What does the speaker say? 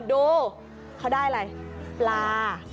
ดูเขาได้อะไรปลา